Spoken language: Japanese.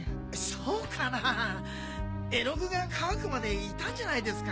そうかなぁ絵の具が乾くまでいたんじゃないですか？